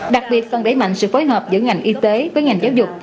đặc biệt phần đẩy mạnh sự phối hợp giữa ngành y tế với ngành giáo dục